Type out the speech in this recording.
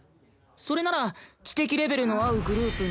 それなら知的レベルの合うグループに。